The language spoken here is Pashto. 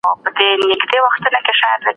آیا تاسي نوي زده کوونکي پوهوئ؟